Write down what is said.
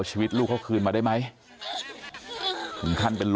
แม็กกี้อยากบอกอะไรกับครอบครัวภรรยาไหมเป็นครั้งสุดท้าย